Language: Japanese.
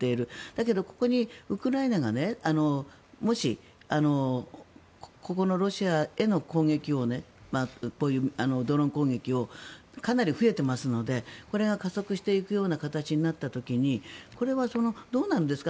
だけど、ここにウクライナがもし、ここのロシアへの攻撃をドローン攻撃がかなり増えていますのでこれが加速していくような形になった時にこれはどうなんですか。